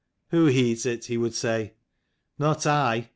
"Who heeds it?" he would say. "Not I.